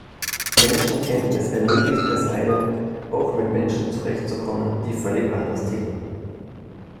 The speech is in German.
Menschenkenntnis ermöglicht es einem, auch mit Menschen zurechtzukommen, die völlig anders ticken.